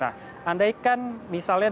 nah andaikan misalnya dihitungkan ke waste land